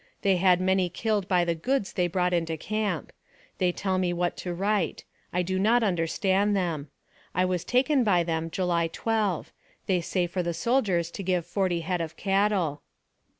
They had many killed by the goods they brought into camp. They tell me what to write. I do not understand them. I was taken by them July 12. They say for the soldiers to give forty head of cattle.